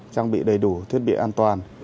trang bị đầy đủ thiết bị an toàn